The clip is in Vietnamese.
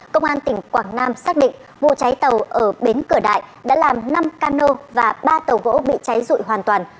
công an tỉnh quảng nam xác định vụ cháy tàu ở bến cửa đại đã làm năm cano và ba tàu gỗ bị cháy rụi hoàn toàn